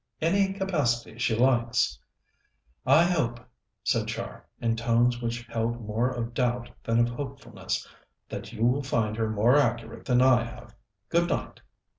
"Any capacity she likes." "I hope," said Char, in tones which held more of doubt than of hopefulness, "that you will find her more accurate than I have. Good night."